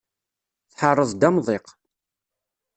Tḥerreḍ-d amḍiq.